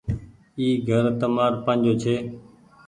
اي گھر تمآر پآجو ڇي۔